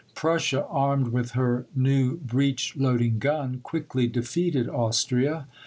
Prussia, armed with her new breech loading gun, quickly defeated Austria.